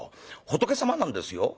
仏様なんですよ」。